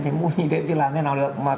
thì làm thế nào được